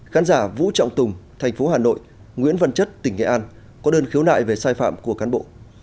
khán giả vũ trọng tùng thành phố hà nội nguyễn văn chất tỉnh nghệ an có đơn khiếu nại về sai phạm của cán bộ